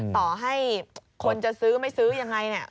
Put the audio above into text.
ต่อให้คนจะซื้อไม่ซื้อยังไงเนี่ย